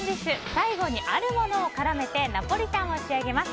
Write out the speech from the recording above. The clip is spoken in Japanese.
最後にあるものを絡めてナポリタンを仕上げます。